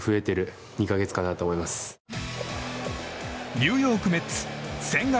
ニューヨーク・メッツ千賀